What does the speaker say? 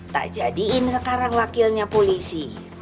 tak jadiin sekarang wakilnya polisi